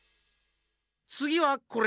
つぎはこれ。